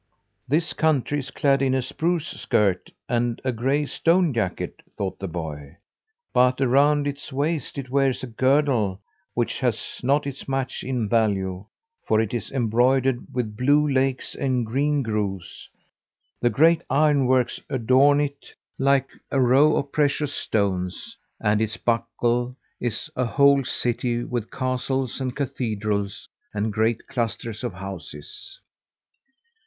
"This country is clad in a spruce skirt and a gray stone jacket," thought the boy. "But around its waist it wears a girdle which has not its match in value, for it is embroidered with blue lakes and green groves. The great ironworks adorn it like a row of precious stones, and its buckle is a whole city with castles and cathedrals and great clusters of houses."